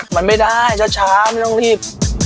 มันไม่ได้ช้ามันต้องรีบ